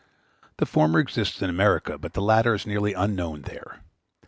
The former exists in America, but the latter is nearly unknown there.